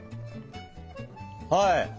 はい。